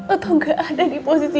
atau nggak ada di posisi